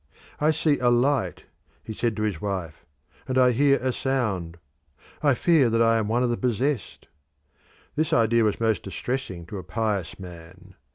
"I see a light," he said to his wife, "and I hear a sound. I fear that I am one of the possessed." This idea was most distressing to a pious man.